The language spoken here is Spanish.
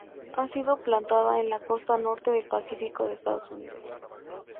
Ha sido plantada en la costa norte del Pacífico de Estados Unidos.